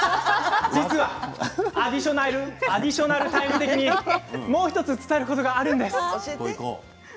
実はアディショナルタイム的にもう１つお伝えすることがあるんです。